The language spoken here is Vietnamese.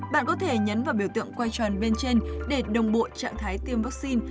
bạn có thể nhấn vào biểu tượng quay tròn bên trên để đồng bộ trạng thái tiêm vaccine